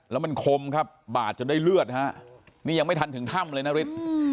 แล้วมันคมครับบาดจนได้เลือดฮะนี่ยังไม่ทันถึงถ้ำเลยนะฤทธิ์